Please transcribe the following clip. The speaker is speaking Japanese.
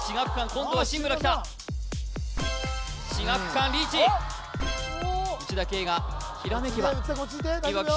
今度は新村きた志學館リーチ内田圭がひらめけばいわき